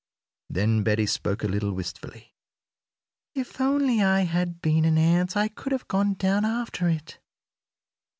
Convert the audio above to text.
Then Betty spoke a little wistfully: "If only I had been an ant I could have gone down after it.